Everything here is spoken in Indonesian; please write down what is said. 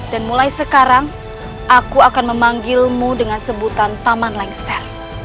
dan mulai sekarang aku akan memanggilmu dengan sebutan paman lengser